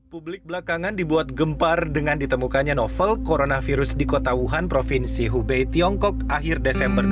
publik belakangan dibuat gempar dengan ditemukannya novel coronavirus di kota wuhan provinsi hubei tiongkok akhir desember dua ribu dua puluh